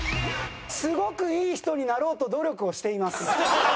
すごくいい人になろうと努力をしています。